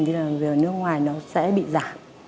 đi làm việc ở nước ngoài nó sẽ bị giả